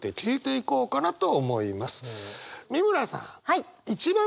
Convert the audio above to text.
美村さん。